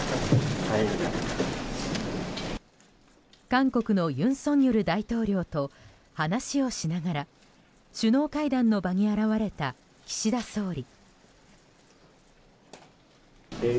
韓国の尹錫悦大統領と話をしながら首脳会談の場に現れた岸田総理。